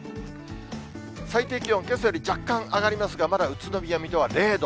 最低気温、けさより若干上がりますが、まだ宇都宮、水戸は０度。